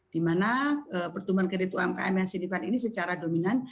dimana pertumbuhan kredit umkm yang signifikan ini secara dominan